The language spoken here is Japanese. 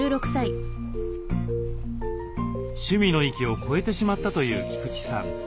趣味の域を超えてしまったという菊池さん。